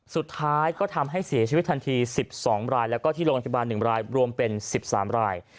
สุดท้ายก็ทำให้เสียชีวิตทันที๑๒รายแล้วก็ที่โรงพยาบาล๑รายรวมเป็น๑๓ราย